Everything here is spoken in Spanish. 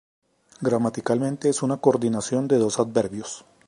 Gramaticalmente, es una coordinación de dos adverbios.